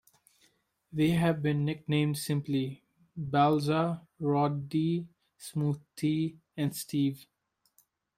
They have been nicknamed simply Balja, Rod D., Smooth T. and Steve.